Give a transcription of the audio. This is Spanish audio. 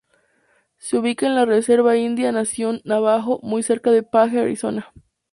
Se ubica en la reserva india Nación Navajo, muy cerca de Page, Arizona.